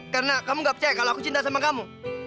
karena kamu gak percaya kalo aku cinta sama kamu